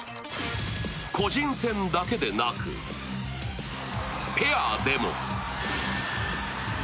個人戦だけでなく、ペアでも。